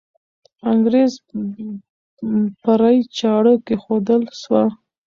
انګریز پرې چاړه کښېښودل سوه.